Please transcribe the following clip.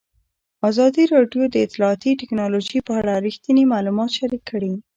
ازادي راډیو د اطلاعاتی تکنالوژي په اړه رښتیني معلومات شریک کړي.